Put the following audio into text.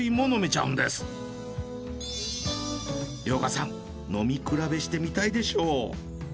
遼河さん飲み比べしてみたいでしょう？